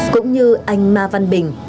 cũng như anh ma văn bình